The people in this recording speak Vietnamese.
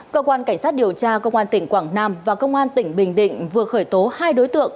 cơ quan cảnh sát điều tra công an tỉnh quảng nam và công an tỉnh bình định vừa khởi tố hai đối tượng